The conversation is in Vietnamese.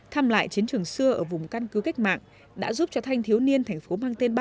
thăm lại chiến trường xưa ở vùng căn cứ cách mạng đã giúp cho thanh thiếu niên tp hcm